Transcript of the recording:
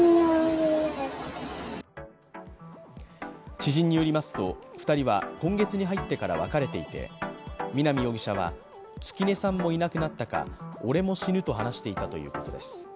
知人によりますと、２人は今月に入ってから別れていて、南容疑者は月音さんもいなくなったか、俺も死ぬと話していたということです。